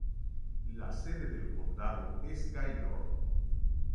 La sede del condado es Gaylord.